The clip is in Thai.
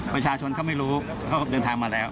ประชาชนเขาไม่รู้เขาก็เดินทางมาแล้ว